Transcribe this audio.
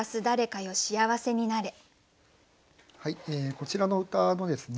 こちらの歌のですね